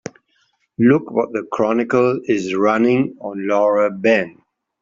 Look what the Chronicle is running on Laura Ben.